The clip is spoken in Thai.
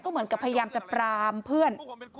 เหมือนกับพยายามจะปรามเพื่อน